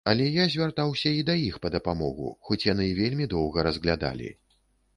Але я звяртаўся і да іх па дапамогу, хоць яны вельмі доўга разглядалі.